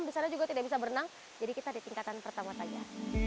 di sana juga tidak bisa berenang jadi kita di tingkatan pertama saja